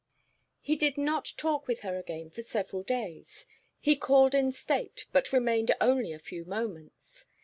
XI He did not talk with her again for several days. He called in state, but remained only a few moments.